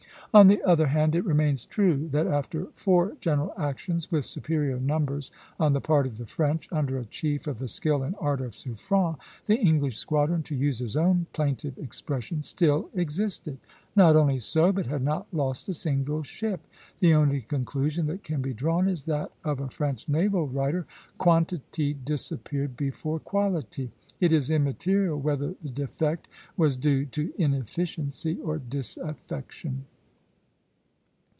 On the other hand, it remains true that after four general actions, with superior numbers on the part of the French, under a chief of the skill and ardor of Suffren, the English squadron, to use his own plaintive expression, "still existed;" not only so, but had not lost a single ship. The only conclusion that can be drawn is that of a French naval writer: "Quantity disappeared before quality." It is immaterial whether the defect was due to inefficiency or disaffection.